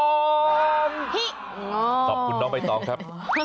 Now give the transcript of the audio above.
ขอบคุณน้องใบตองครับ